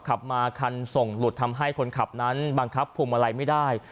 ขับมาคันส่งหลุดทำให้คนขับนั้นบังคับพวงมาลัยไม่ได้